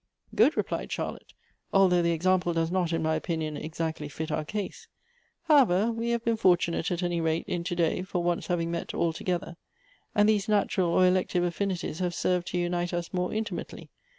" Good," replied Charlotte ;" although the example does not, in my opinion, exactly fit our case. However, we have been fortunate, at any rate, in to day for once having met all together ; and these natural or elective aflinities have served to unite us more intimately.